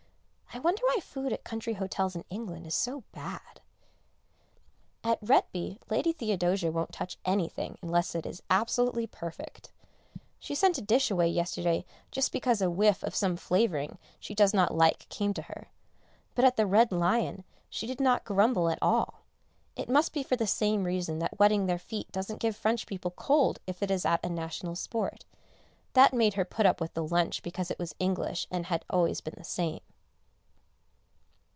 I wonder why food at country hotels in England is so bad? At Retby Lady Theodosia won't touch anything unless it is absolutely perfect. She sent a dish away yesterday just because a whiff of some flavouring she does not like came to her, but at the "Red Lion" she did not grumble at all; it must be for the same reason that wetting their feet doesn't give French people cold if it is at a national sport, that made her put up with the lunch because it was English and had always been the same.